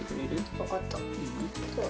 分かった。